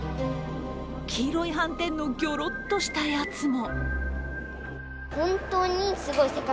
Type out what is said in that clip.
黄色い斑点のぎょろっとしたやつも。